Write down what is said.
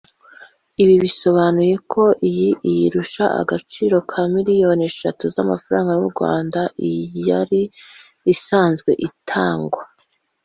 Ibi bisobanuye ko iyi irusha agaciro ka miliyoni eshatu z’amafaranga y’u Rwanda iyari isanzwe itangwa